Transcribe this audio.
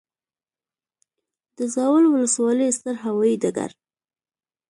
د زاول وسلوالی ستر هوایي ډګر